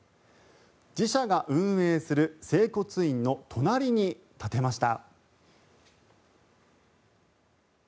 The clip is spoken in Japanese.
自社が運営する整骨院の隣に建てました。